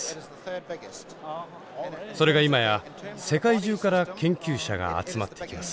それが今や世界中から研究者が集まってきます。